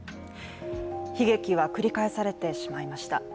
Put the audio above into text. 悲劇は繰り返されてしまいました。